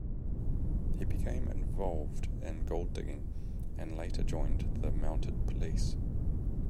He became involved in gold-digging, and later joined the mounted police.